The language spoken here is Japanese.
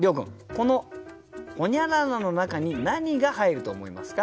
このほにゃららの中に何が入ると思いますか？